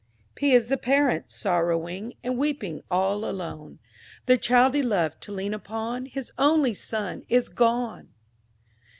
P is the Parent, sorrowing, And weeping all alone— The child he loved to lean upon, His only son, is gone!